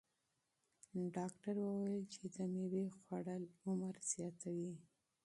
ډاکتر وویل چې د مېوې خوړل عمر زیاتوي.